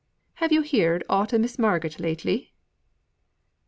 "Have yo' heerd aught of Miss Marget lately?"